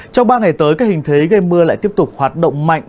trong ba ngày tới các hình thế gây mưa lại tiếp tục hoạt động mạnh